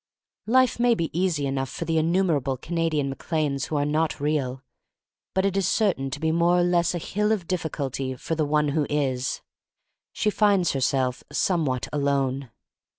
*' Life may be easy enough for the innumerable Canadian Mac Lanes who are not real. But it is certain to be more or less a Hill of Difficulty for the one who is. She finds herself somewhat alone.